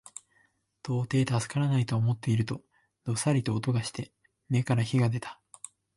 到底助からないと思っていると、どさりと音がして眼から火が出た